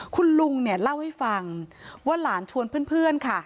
คุณลุงเนี่ยเล่าให้ฟังว่าหลานชวนเพื่อนค่ะ